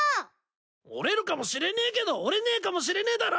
折れるかもしれねえけど折れねえかもしれねえだろ！